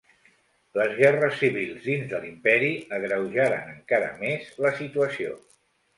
Les guerres civils dins de l'imperi agreujaren encara més la situació.